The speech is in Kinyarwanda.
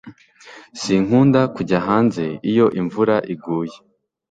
Sinkunda kujya hanze iyo imvura iguye